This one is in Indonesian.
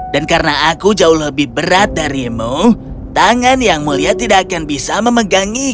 dan karena aku jauh lebih berat darimu tangan yang mulia tidak akan bisa memegangiku